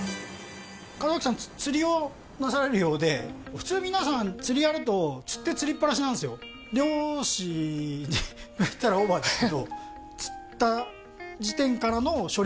門脇さん釣りをなされるようで普通皆さん釣りやると釣って釣りっぱなしなんですよとかあと温度もうプロだよ